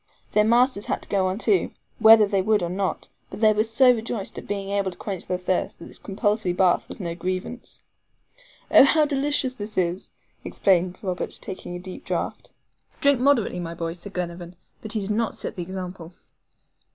Their masters had to go on too, whether they would or not but they were so rejoiced at being able to quench their thirst, that this compulsory bath was no grievance. "Oh, how delicious this is!" exclaimed Robert, taking a deep draught. "Drink moderately, my boy," said Glenarvan; but he did not set the example.